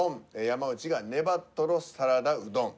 山内が「ねばとろサラダうどん」。